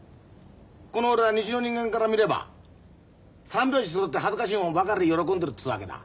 この俺は西の人間から見れば三拍子そろって恥ずかしいもんばかり喜んでるっつうわけだ。